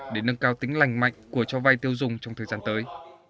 để nâng cao tính lành mạnh của cho vai tiêu dùng trong thời gian tới